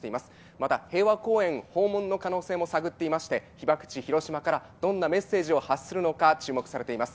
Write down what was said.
また、平和公園訪問の可能性も探っていまして、被爆地、広島からどんなメッセージを発するのか、注目されています。